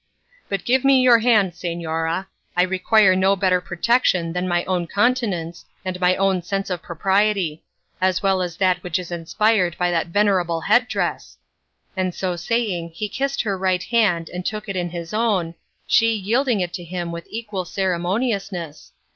But give me your hand, señora; I require no better protection than my own continence, and my own sense of propriety; as well as that which is inspired by that venerable head dress;" and so saying he kissed her right hand and took it in his own, she yielding it to him with equal ceremoniousness.